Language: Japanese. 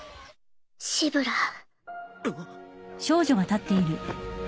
シブラー。